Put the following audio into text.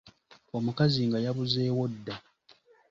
Omukazi nga yabuzeewo dda.